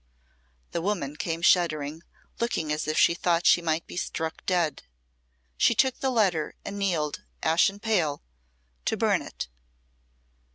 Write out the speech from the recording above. The woman came shuddering, looking as if she thought she might be struck dead. She took the letter and kneeled, ashen pale, to burn it.